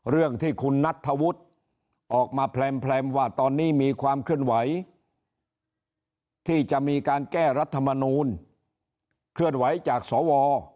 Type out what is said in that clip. เรื่องที่คุณนัทธวุฒิออกมาแพร่มว่าตอนนี้มีความเคลื่อนไหวที่จะมีการแก้รัฐมนูลเคลื่อนไหวจากสว